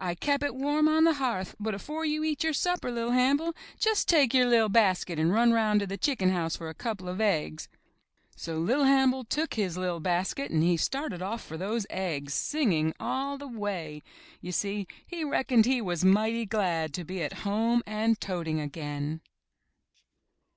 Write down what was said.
I kep' it warm on the hearth, but afore you eat your supper, Li'T Hannibal, jus' take your li'r basket and run roun' to the chicken house for a couple of eggs." So Li'r Hannibal took his liT basket and he started off for those eggs, singing all the way. You see, he reckoned he was mighty glad to be at home and toting again.